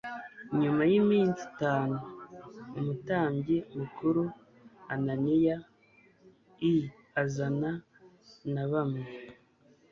Nyuma y iminsi itanu umutambyi mukuru Ananiya i azana na bamwe